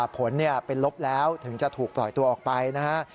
ผลเป็นลบแล้วถึงจะถูกปล่อยตัวออกไปนะฮะ